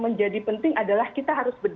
menjadi penting adalah kita harus